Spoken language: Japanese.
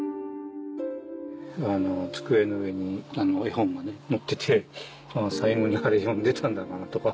机の上に絵本がのってて最後にあれ読んでたんだなとか。